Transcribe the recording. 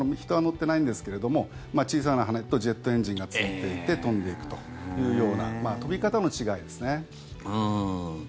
人は乗っていないんですけれども小さな羽とジェットエンジンがついていて飛んでいくというような飛び方の違いですね。